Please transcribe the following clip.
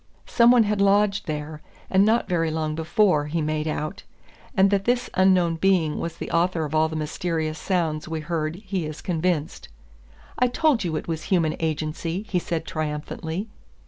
Some one had lodged there, and not very long before, he made out; and that this unknown being was the author of all the mysterious sounds we heard he is convinced. "I told you it was human agency," he said triumphantly.